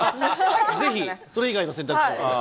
ぜひ、それ以外の選択肢を。